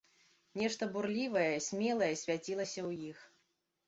Нешта бурлівае, смелае свяцілася ў іх.